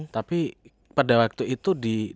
tapi pada waktu itu